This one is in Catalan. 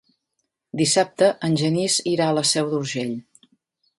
Dissabte en Genís irà a la Seu d'Urgell.